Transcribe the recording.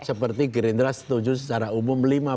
seperti gerindra setuju secara umum lima poin